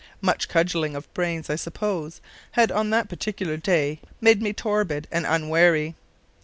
Much cudgelling of brains, I suppose, had on that particular day made me torpid and unwary.